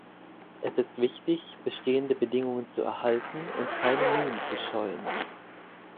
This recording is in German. Es ist wichtig, bestehende Bedingungen zu erhalten und keine Mühen zu scheuen.